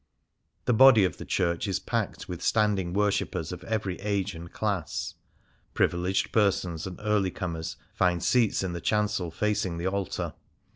The body of the church is packed with standing worshippers of every age and class. Privileged persons and early comers find seats in the chancel facing the altar.